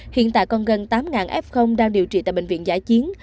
hiện tại còn gần tám f đang điều trị tại bệnh viện giả chiến